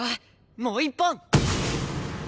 もう１本！